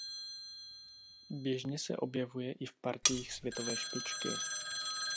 Běžně se objevuje i v partiích světové špičky.